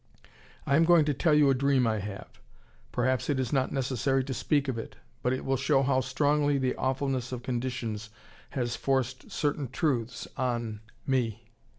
I am going to tell you a dream I have. Perhaps it is not necessary to speak of it, but it will show how strongly the awfulness of conditions has forced certain truths on me.